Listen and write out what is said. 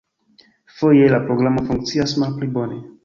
Foje la programo funkcias malpli bone.